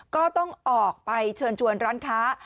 ก็ต้องออกไปเชิญชวนร้านค้า